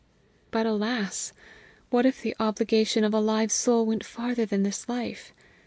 But alas! what if the obligation of a live soul went farther than this life?